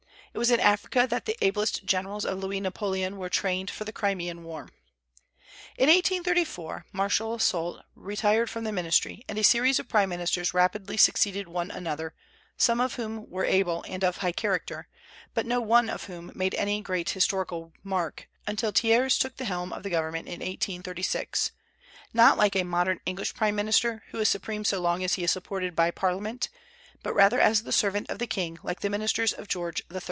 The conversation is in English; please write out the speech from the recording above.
It was in Africa that the ablest generals of Louis Napoleon were trained for the Crimean War. In 1834 Marshal Soult retired from the ministry, and a series of prime ministers rapidly succeeded one another, some of whom were able and of high character, but no one of whom made any great historical mark, until Thiers took the helm of government in 1836, not like a modern English prime minister, who is supreme so long as he is supported by Parliament, but rather as the servant of the king, like the ministers of George III.